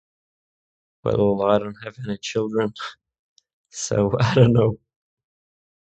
Well I don't have any children, so I don't know